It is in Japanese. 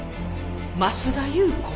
増田裕子？